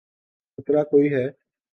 خطرہ کوئی ہے۔